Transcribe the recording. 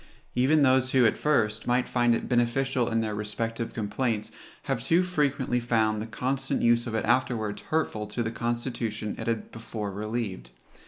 Even those who, at first, might find it beneficial in their respective complaints, have too frequently found the constant use of it afterwards hurtful to the constitution it had before relieved.